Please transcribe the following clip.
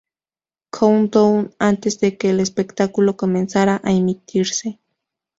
Countdown" antes de que el espectáculo comenzara a emitirse.